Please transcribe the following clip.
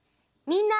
みんな。